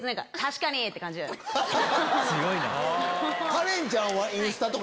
強いな。